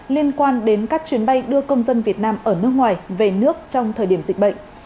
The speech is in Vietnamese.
liên quan đến các chuyến bay đưa công dân việt nam ở nước ngoài về nước trong thời điểm dịch bệnh